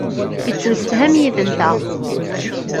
Yettemsefham yid-nteɣ.